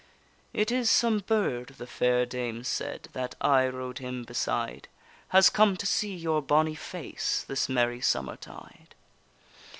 It is some burd, the fair dame said, That aye rode him beside, Has come to see your bonny face This merry summer tide.